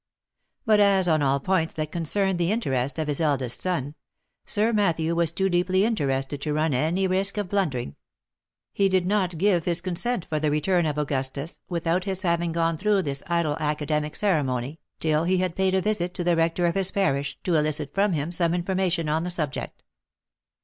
But as, on all points that concerned the interest of his eldest son, Sir Matthew was too deeply interested to run any risk of blundering : he did not give his consent for the return of Augustus, without his having gone through this idle academic ceremony, till he had paid a visit to the rector of his parish, to elicit from him some information on the subject.